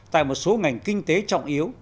tại một số ngành kinh tế trọng yếu